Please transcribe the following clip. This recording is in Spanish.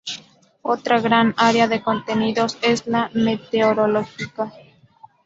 Otra gran área de contenidos es la meteorológica.